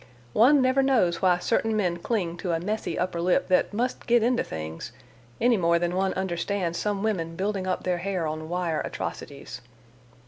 One never knows why certain men cling to a messy upper lip that must get into things, any more than one understands some women building up their hair on wire atrocities.